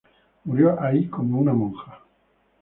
Murió ahí como una monja.